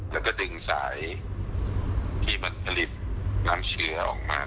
แล้วก็ดึงสายที่มันผลิตน้ำเชื้อออกมา